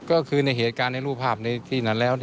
ก็คือในเหตุการณ์ในรูปภาพในที่นั้นแล้ว